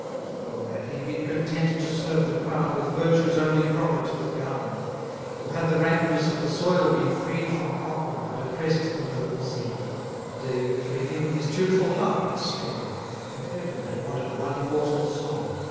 Oh! had he been content to serve the crown, With virtues only proper to the gown; Or had the rankness of the soil been freed From cockle, that oppress'd the noble seed; David for him his tuneful harp had strung, And Heaven had wanted one immortal song.